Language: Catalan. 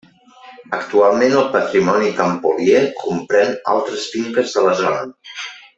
Actualment el patrimoni Campolier comprèn altres finques de la zona.